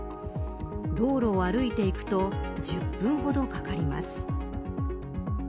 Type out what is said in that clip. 道路を歩いていくと１０分ほどかかります。